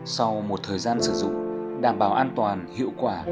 sau một thời gian sử dụng đảm bảo an toàn hiệu quả